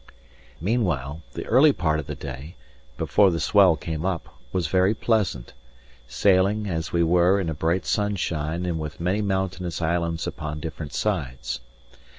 Meanwhile, the early part of the day, before the swell came up, was very pleasant; sailing, as we were, in a bright sunshine and with many mountainous islands upon different sides.